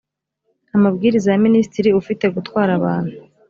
amabwiriza ya minisitiri ufite gutwara abantu